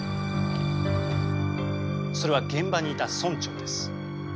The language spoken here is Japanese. それは現場にいた村長です。